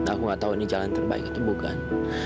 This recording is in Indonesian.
aku gak tau ini jalan terbaik atau bukan